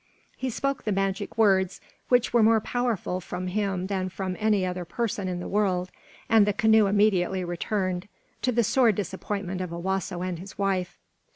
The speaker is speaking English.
He spoke the magic words, which were more powerful from him than from any other person in the world, and the canoe immediately returned; to the sore disappointment of Owasso and his wife.